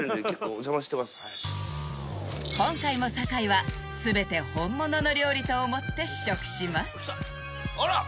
今回も酒井は全て本物の料理と思って試食しますあら！